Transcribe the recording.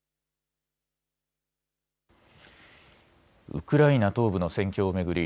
ウクライナ東部の戦況を巡り